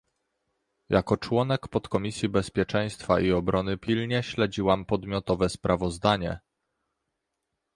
Jako członek Podkomisji Bezpieczeństwa i Obrony pilnie śledziłam przedmiotowe sprawozdanie